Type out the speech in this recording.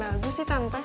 bagus sih tante